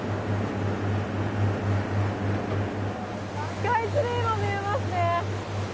スカイツリーも見えますね。